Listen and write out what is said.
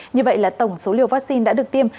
như vậy là tổng số liều vaccine đã được tiêm